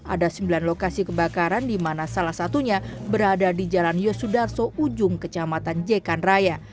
ada sembilan lokasi kebakaran di mana salah satunya berada di jalan yosudarso ujung kecamatan jekan raya